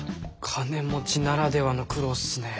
金持ちならではの苦労っすね。